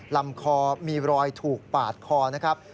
ลำคอมีรอยถูกปาดคอนะครับ